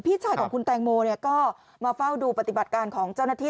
พี่ชายของคุณแตงโมก็มาเฝ้าดูปฏิบัติการของเจ้าหน้าที่